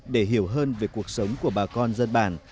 để hiểu hơn về cuộc sống của bà con dân bản